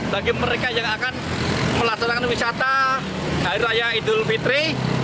bagi mereka yang akan melaksanakan wisata hari raya idul fitri